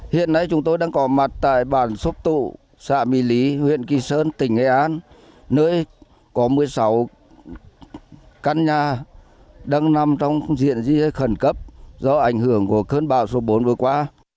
hiện nay chúng tôi đang có mặt tại bản xốp tụ xã mỹ lý huyện kỳ sơn tỉnh nghệ an nơi có một mươi sáu căn nhà đang nằm trong diện di rời khẩn cấp do ảnh hưởng của cơn bão số bốn vừa qua